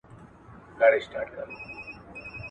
دا پېښه ښيي چې ټولنې تکامل ته څه ګامونه اخيستي دي.